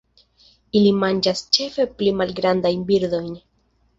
Ili manĝas ĉefe pli malgrandajn birdojn.